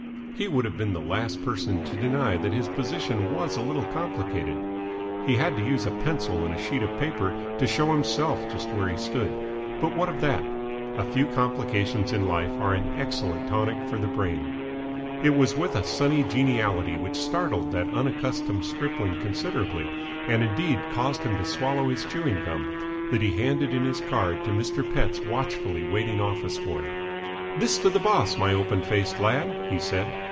He would have been the last person to deny that his position was a little complicated he had to use a pencil and a sheet of paper to show himself just where he stood but what of that? A few complications in life are an excellent tonic for the brain. It was with a sunny geniality which startled that unaccustomed stripling considerably and indeed caused him to swallow his chewing gum that he handed in his card to Mr. Pett's watchfully waiting office boy. "This to the boss, my open faced lad!" he said.